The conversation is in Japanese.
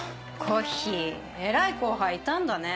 コッヒー偉い後輩いたんだね。